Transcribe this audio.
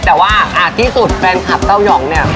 แต่ว่าที่สุดแฟนคลับเต้ายองเนี่ย